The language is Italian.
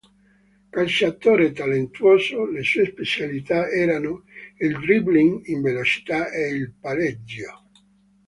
Calciatore talentuoso, le sue specialità erano il dribbling in velocità e il palleggio.